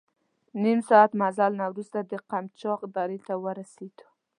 نیم ساعت مزل نه وروسته د قمچاق درې ته ورسېدو.